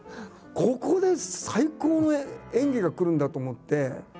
ここで最高の演技がくるんだと思って。